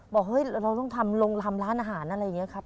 บอกเราต้องทำร้านอาหารอะไรอย่างนี้ครับ